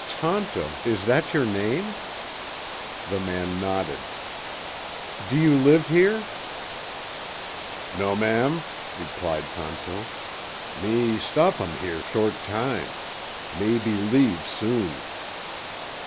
"Tonto is that your name?" The man nodded. "Do you live here?" "No'm," replied Tonto, "me stop um here short time. Maybe leave soon."